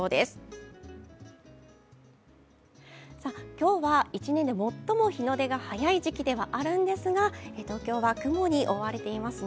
今日は１年で最も日の出が早い時期ではあるんですが、東京は雲に覆われていますね。